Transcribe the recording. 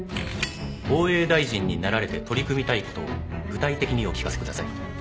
防衛大臣になられて取り組みたいことを具体的にお聞かせください。